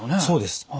そうです。